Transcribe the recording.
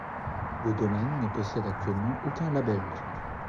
Le domaine ne possède actuellement aucun labels.